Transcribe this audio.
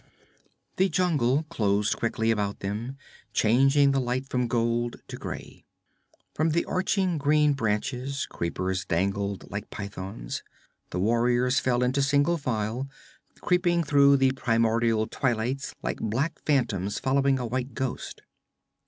The jungle closed quickly about them, changing the light from gold to gray. From the arching green branches creepers dangled like pythons. The warriors fell into single file, creeping through the primordial twilights like black phantoms following a white ghost.